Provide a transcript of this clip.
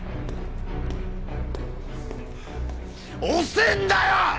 遅えんだよ！！